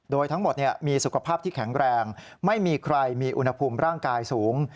โดยทั้งหมดมีสุขภาพที่แข็งแรงไม่มีใครมีอุณหภูมิร่างกายสูง